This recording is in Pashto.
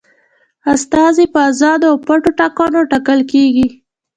استازي په آزادو او پټو ټاکنو ټاکل کیږي.